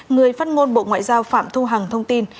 người phát ngôn bộ ngoại giao phạm thu hằng thông tin